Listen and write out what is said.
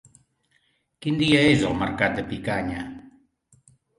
Quin dia és el mercat de Picanya?